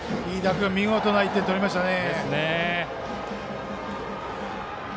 君、見事な１点を取りましたね。